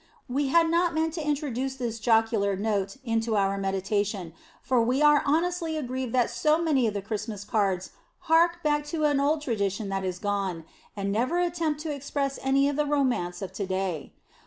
We had not meant to introduce this jocular note into our meditation, for we are honestly aggrieved that so many of the Christmas cards hark back to an old tradition that is gone, and never attempt to express any of the romance of to day.